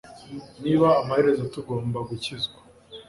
Niba amaherezo tugomba gukizwa,